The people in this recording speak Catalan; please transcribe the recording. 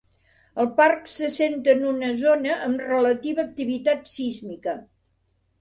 El parc s'assenta en una zona amb relativa activitat sísmica.